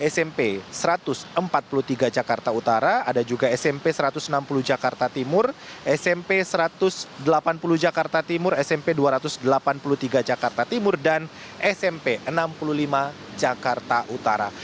smp satu ratus empat puluh tiga jakarta utara ada juga smp satu ratus enam puluh jakarta timur smp satu ratus delapan puluh jakarta timur smp dua ratus delapan puluh tiga jakarta timur dan smp enam puluh lima jakarta utara